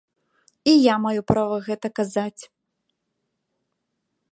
І я маю права гэта казаць.